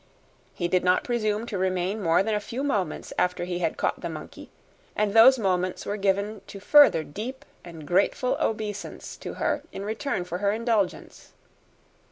He did not presume to remain more than a few moments after he had caught the monkey, and those moments were given to further deep and grateful obeisance to her in return for her indulgence.